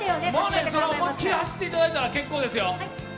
思い切り走っていただいたら結構ですよ。